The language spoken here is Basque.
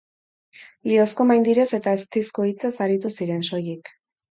Lihozko maindirez eta eztizko hitzez aritu ziren, soilik.